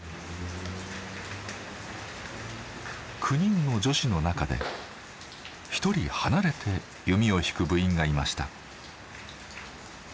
９人の女子の中でひとり離れて弓を引く部員がいました。